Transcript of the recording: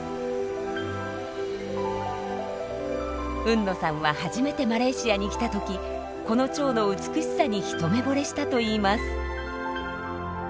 海野さんは初めてマレーシアに来たときこのチョウの美しさに一目ぼれしたといいます。